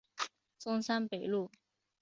中山北路